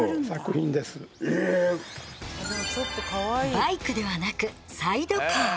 バイクではなくサイドカー。